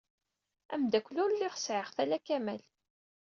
Amdakel ur lliɣ sɛiɣ-t ala Kamal.